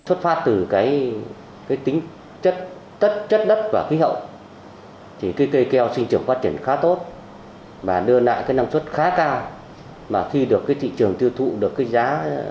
xuất phát từ cái tính chất đất và khí hậu thì cây keo sinh trường phát triển khá tốt và đưa lại cái năng suất khá cao mà khi được cái thị trường tiêu thụ được cái giá